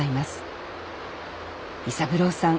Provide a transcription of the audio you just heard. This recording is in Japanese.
伊三郎さん